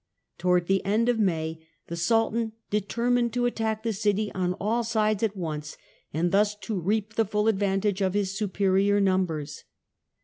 Towards the end of May the Sultan determined to attack the city on all FJ^ai at sides at once, and thus to reap the full advantage of his superior numbers.